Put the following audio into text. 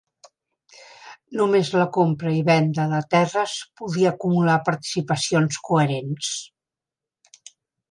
Només la compra i venda de terres podia acumular participacions coherents.